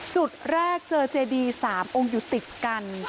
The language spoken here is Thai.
จุดแรกเจอเจดี๓องค์อยู่ติดกัน